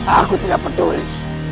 aku tidak peduli